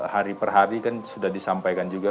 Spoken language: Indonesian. hari per hari kan sudah disampaikan juga